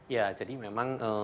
ya jadi memang